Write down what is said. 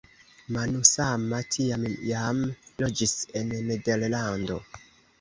Manusama tiam jam loĝis en Nederlando.